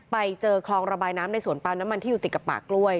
ไปเจอคลองระบายน้ำในสวนปาล์น้ำมันที่อยู่ติดกับป่ากล้วย